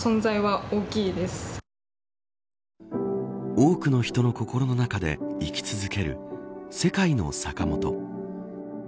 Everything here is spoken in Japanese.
多くの人の心の中で生き続ける世界のサカモト。